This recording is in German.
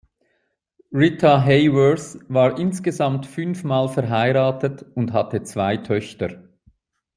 Rita Hayworth war insgesamt fünfmal verheiratet und hatte zwei Töchter.